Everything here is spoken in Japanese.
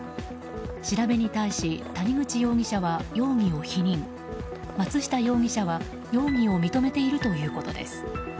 調べに対し谷口容疑者は容疑を否認松下容疑者は容疑を認めているということです。